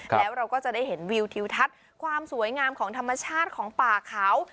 แล้วเราก็จะได้เห็นวิวทิวทัศน์ความสวยงามของธรรมชาติของป่าเขา